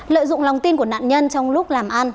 lợi dụng lòng tin của nạn nhân trong lúc làm ăn